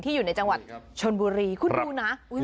อยู่ในจังหวัดชนบุรีคุณดูนะ